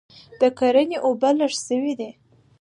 د کرني اوبه لږ سوي دي